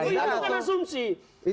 ini bukan asumsi